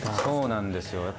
そうなんですよ。